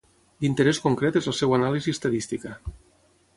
D'interés concret és la seva anàlisi estadística.